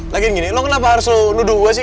lagian gini lu kenapa harus lu nuduh gua sih